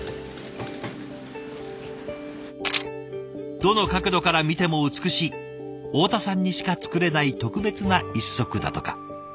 どの角度から見ても美しい太田さんにしか作れない特別な一足だとか。